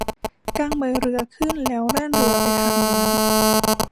กางใบเรือขึ้นแล้วแล่นเรือไปทางเหนือ